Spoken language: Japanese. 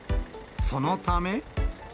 そのため。